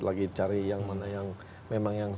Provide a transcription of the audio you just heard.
lagi cari yang mana yang memang yang